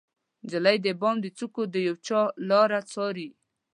نجلۍ د بام د څوکو د یوچا لاره څارې